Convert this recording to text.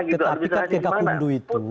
tetapi kan kegak kumdu itu